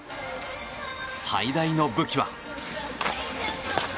最大の武器は。